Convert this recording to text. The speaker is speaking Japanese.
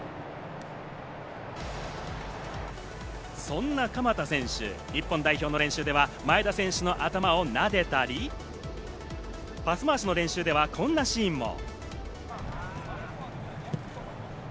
そんな鎌田選手、日本代表の練習では前田選手の頭をなでたり、パスまわしの練習ではこんなシーンも。